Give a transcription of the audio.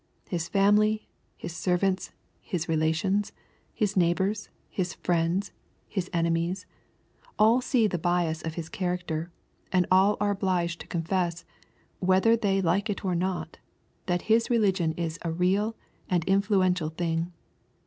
His family, his servants, his relations, his neighbors, his friends, his enemies, all seethe bias of his character, and all are obliged to confess, whether they like it or not, that his religion is a real and influential thing.